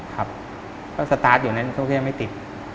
ก็สตาร์ทอยู่นั่นไม่ติด